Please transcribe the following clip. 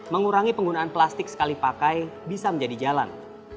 mengurangi penggunaan plastik sekali pakai bisa menjadi jalan